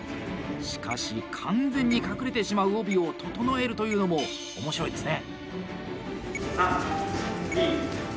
しかし完全に隠れてしまう帯を整えるというのも面白いですね。